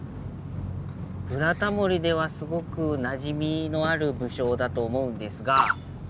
「ブラタモリ」ではすごくなじみのある武将だと思うんですが。